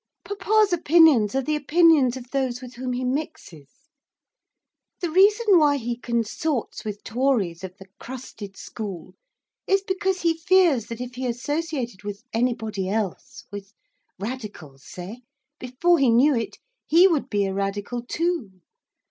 'Papa's opinions are the opinions of those with whom he mixes. The reason why he consorts with Tories of the crusted school is because he fears that if he associated with anybody else with Radicals, say, before he knew it, he would be a Radical too.